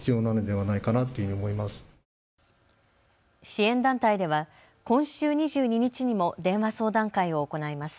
支援団体では今週２２日にも電話相談会を行います。